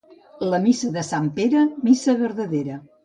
La missa de sant Pere, missa verdadera.